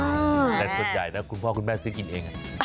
แต่ส่วนใหญ่นะคุณพ่อคุณแม่ซื้อกินเอง